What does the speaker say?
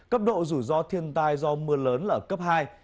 cấp độ rủi ro thiên tai do mưa lớn là cấp hai